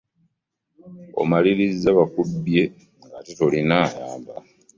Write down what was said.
Omaliriza bakubbye ng'ate tolina ayamba.